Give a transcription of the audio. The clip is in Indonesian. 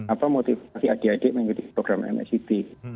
apa motivasi adik adik mengikuti program mscb